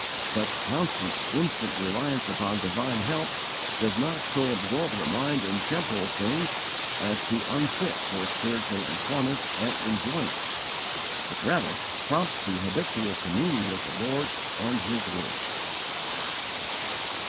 Such constant, instant reliance upon divine help does not so absorb the mind in temporal things as to unfit for spiritual employments and enjoyments; but rather prompts to habitual communion with the Lord and His Word.